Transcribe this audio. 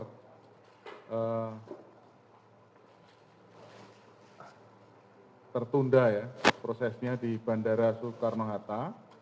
dan banyak yang tertunda ya prosesnya di bandara soekarno hatta